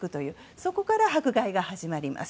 そこから迫害が始まります。